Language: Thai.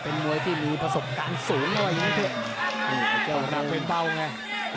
เป็นมวยที่มีประสบการณ์สูงแล้วว่าอย่างงี้เจ้าหนักเป็นเบาไง